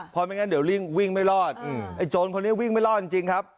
เพราะไม่งั้นเดี๋ยววิ่งไม่รอดไอ้โจรคนนี้วิ่งไม่รอดจริงครับ